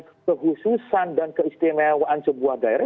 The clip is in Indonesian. kehidupan yang disusahkan dan keistimewaan sebuah daerah